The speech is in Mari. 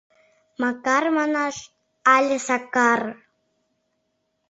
Макар манаш але Сакар?»